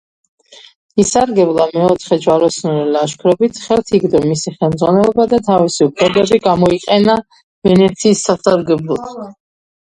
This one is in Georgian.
ისარგებლა მეოთხე ჯვაროსნული ლაშქრობით, ხელთ იგდო მისი ხელმძღვანელობა და თავისი უფლებები გამოიყენა ვენეციის სასარგებლოდ.